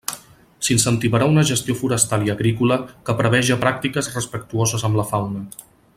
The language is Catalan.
S'incentivarà una gestió forestal i agrícola que preveja pràctiques respectuoses amb la fauna.